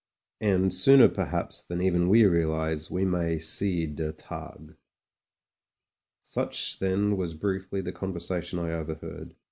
And, sooner per haps than even we realise, we may see der Tag." Such then was briefly the conversation I overheard.